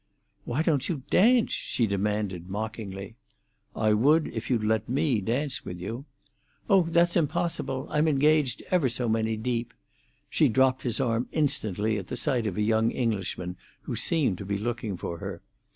"Why don't you dance?" she demanded mockingly. "I would if you'd let me dance with you." "Oh, that's impossible! I'm engaged ever so many deep." She dropped his arm instantly at sight of a young Englishman who seemed to be looking for her.